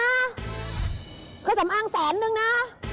เครื่องสำอางแสนนึงนะ